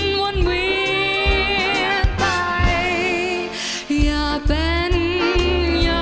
โปรดติดตามต่อไป